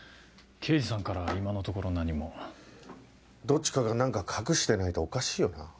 刑事さんからは今のところ何も。どっちかが何か隠してないとおかしいよな。